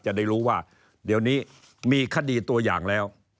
จะได้รู้ว่าเดี๋ยวนี้มีคดีตัวอย่างแล้ว